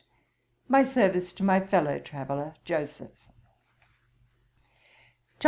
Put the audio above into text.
'My service to my fellow traveller, Joseph.'